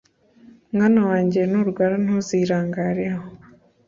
Mwana wanjye, nurwara, ntuzirangareho,